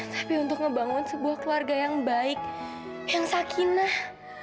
tapi untuk ngebangun sebuah keluarga yang baik yang sakinah